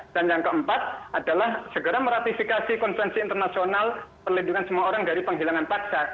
dan yang keempat adalah segera meratifikasi konsensi internasional perlindungan semua orang dari penghilangan paksa